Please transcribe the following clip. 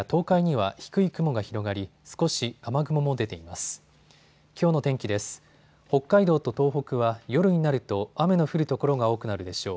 北海道と東北は夜になると雨の降る所が多くなるでしょう。